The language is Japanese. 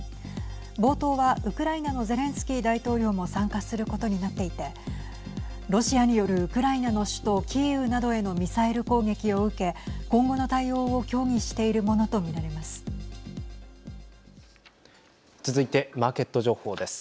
冒頭はウクライナのゼレンスキー大統領も参加することになっていてロシアによるウクライナの首都キーウなどへのミサイル攻撃を受け今後の対応を協議しているものと見られます。